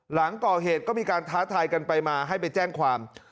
หลังก่อเหตุก็มีการท้าทายกันไปมาให้ไปแจ้งความ